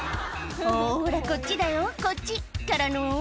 「ほらこっちだよこっち！からの？」